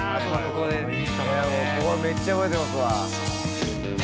ここめっちゃ覚えてますわ。